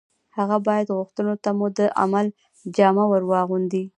هغه باید غوښتنو ته مو د عمل جامه ور واغوندي